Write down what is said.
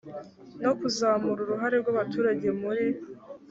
no kuzamura uruhare rw abaturage muri